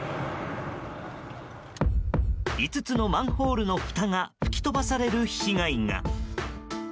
５つのマンホールのふたが吹き飛ばされる被害が。